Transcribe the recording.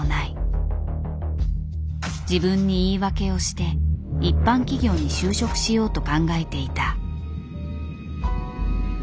自分に言い訳をして一般企業に就職しようと考えていた。